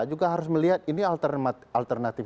juga harus melihat ini alternatif